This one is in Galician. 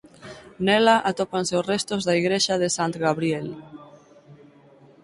Nela atópanse os restos da igrexa de Sant Gabriel.